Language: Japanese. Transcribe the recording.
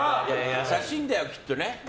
優しいんだよ、きっとね。